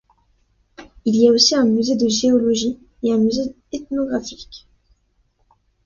Il y a aussi un musée de géologie et un musée ethnographique.